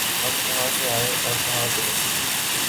ہم کہاں سے آئے اور کہاں چلے؟